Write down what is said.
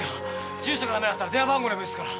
住所がダメだったら電話番号でもいいすから。